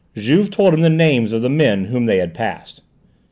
Juve told him the names of the men whom they had passed.